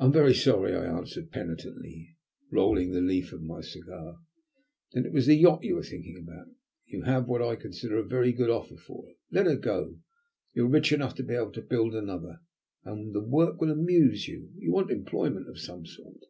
"I am very sorry," I answered penitently, rolling the leaf of my cigar. "Then it was the yacht you were thinking about? You have had what I consider a very good offer for her. Let her go! You are rich enough to be able to build another, and the work will amuse you. You want employment of some sort."